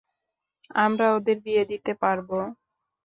আমরা ওদের বিয়ে দিতে পারবো।